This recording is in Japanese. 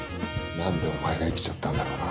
何でお前が生きちゃったんだろうな。